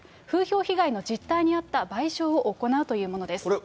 風評被害の実態に合った賠償を行うというものです。